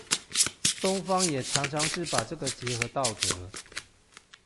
東方也常常是把這個結合道德